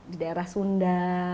di daerah sunda